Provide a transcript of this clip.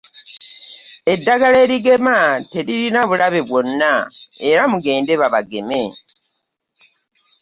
Eddagala erigema teririna bulabe bwonna era mugende babageme